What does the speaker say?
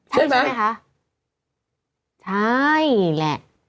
ใช่แหละ